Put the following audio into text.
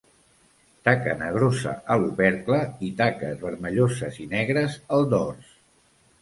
Taca negrosa a l'opercle i taques vermelloses i negres al dors.